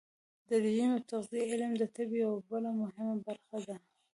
د رژیم او تغذیې علم د طب یوه بله مهمه برخه ده.